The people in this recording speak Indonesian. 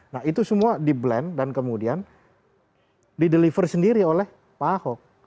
nah itu semua di blend dan kemudian dideliver sendiri oleh pak ahok